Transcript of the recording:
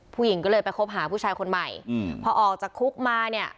ผู้หญิงก็เลยไปคบหาผู้ชายคนใหม่อืมพอออกจากคุกมาเนี่ย